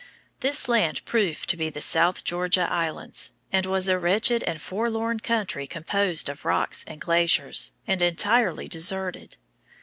This land proved to be the South Georgia Islands, and was a wretched and forlorn country composed of rocks and glaciers, and entirely deserted.